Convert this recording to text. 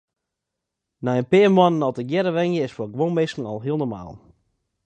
Nei in pear moannen al tegearre wenje is foar guon minsken heel normaal.